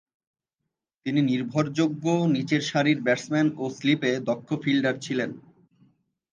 তিনি নির্ভরযোগ্য নিচেরসারির ব্যাটসম্যান ও স্লিপে দক্ষ ফিল্ডার ছিলেন।